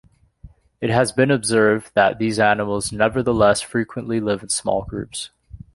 It has been observed that these animals nevertheless frequently live in small groups.